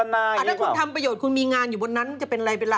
ถ้าคุณทำประโยชน์คุณมีงานอยู่บนนั้นจะเป็นอะไรไปล่ะ